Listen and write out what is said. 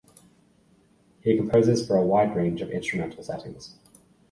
He composes for a wide range of instrumental settings.